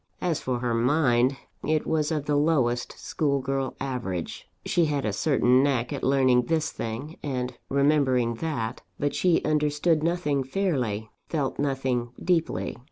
As for her mind, it was of the lowest schoolgirl average. She had a certain knack at learning this thing, and remembering that; but she understood nothing fairly, felt nothing deeply.